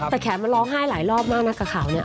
แต่แขมันหล้อหายหลายรอบมากนักข่าวนี่